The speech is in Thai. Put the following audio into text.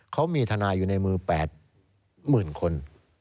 เขามีทนายอยู่ในมือ๘๐๐๐คน